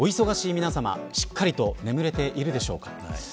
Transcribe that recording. お忙しい皆さま、しっかりと眠れているでしょうか。